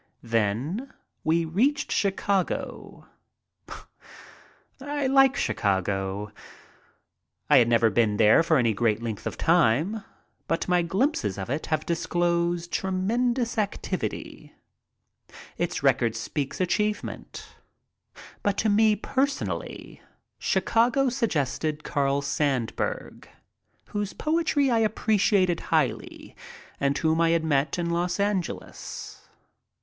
Then we reached Chicago. I like Chicago. I have never been there for any great length of time, but my glimpses of it have disclosed tremendous activity. Its record speaks achievement. But to me, personally, Chicago suggested Carl Sandburg, whose poetry I appreciate highly and whom I had met in Los Angeles.